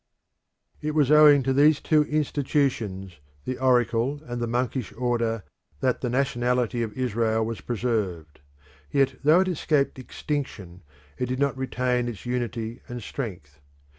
It was owing to these two institutions, the oracle and the monkish order, that the nationality of Israel was preserved. Yet though it escaped extinction it did not retain its unity and strength.